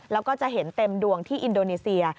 แล้วก็จะเห็นเต็มดวงที่อินโดนีเซีย